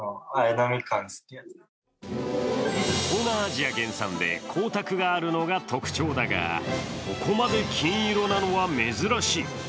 東南アジア原産で光沢があるのが特徴だがここまで金色なのは珍しい。